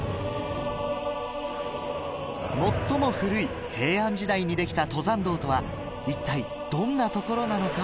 最も古い平安時代にできた登山道とは一体どんな所なのか？